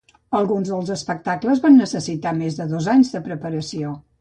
Alguns dels espectacles van necessitar més de dos anys de preparació.